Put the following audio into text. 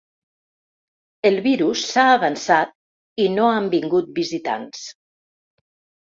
El virus s’ha avançat i no han vingut visitants.